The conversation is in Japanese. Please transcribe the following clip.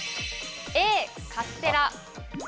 Ａ、カステラ。